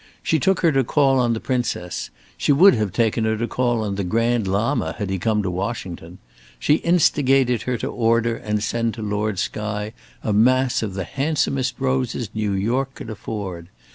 She took her to call on the Princess; she would have taken her to call on the Grand Lama had he come to Washington. She instigated her to order and send to Lord Skye a mass of the handsomest roses New York could afford.